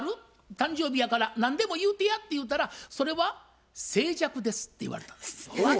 誕生日やから何でも言うてや」って言うたら「それは静寂です」って言われたんですね。